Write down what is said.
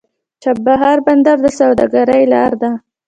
چابهار بندر د سوداګرۍ لار ده.